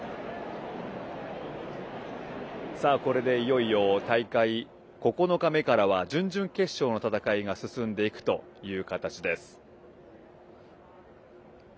これでいよいよ大会９日目からは準々決勝の戦いが進んでいく形です。